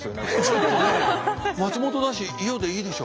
松本だし伊代でいいでしょ？